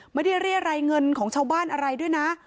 เรียรายเงินของชาวบ้านอะไรด้วยนะ